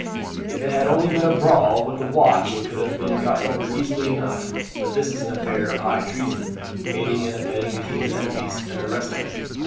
If it had only been a brawl with the watch it could have been got over easily enough; but this is an affair of high treason aiding and abetting the king's enemies, and the rest of it.